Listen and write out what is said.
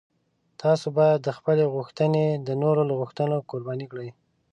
تاسو باید خپلې غوښتنې د نورو له غوښتنو قرباني کړئ.